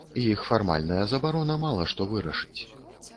Іх фармальная забарона мала што вырашыць.